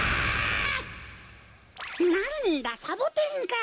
なんだサボテンか。